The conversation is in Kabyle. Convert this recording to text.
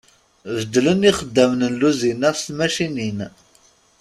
Beddlen ixeddamne n lewzin-a s tmacicin.